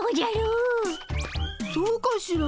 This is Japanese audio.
そうかしら？